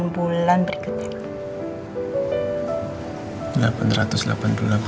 delapan ratus delapan puluh delapan bulan berikutnya